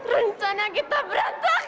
rencana kita berantakan